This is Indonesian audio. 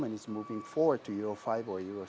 dan pemerintah bergerak ke euro lima atau euro enam